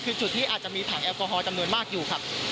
คือจุดที่อาจจะมีถังแอลกอฮอลจำนวนมากอยู่ครับ